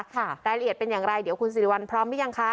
รายละเอียดเป็นอย่างไรเดี๋ยวคุณสิริวัลพร้อมหรือยังคะ